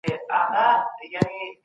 روښانه بيان پوهاوی زياتوي.